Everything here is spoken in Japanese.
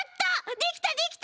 できたできた！